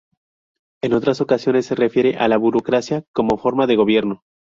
En otras ocasiones se refiere a "la burocracia" como forma de gobierno.